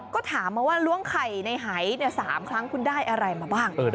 ก็ถามมาว่าล้วงไข่ในหาย๓ครั้งคุณได้อะไรมาบ้าง